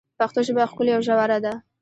پښتو ژبه ښکلي او ژوره ده.